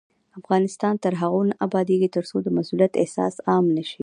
افغانستان تر هغو نه ابادیږي، ترڅو د مسؤلیت احساس عام نشي.